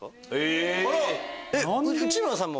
あら⁉内村さんも？